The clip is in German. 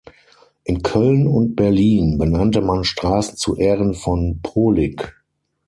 In Köln und Berlin benannte man Straßen zu Ehren von Pohlig.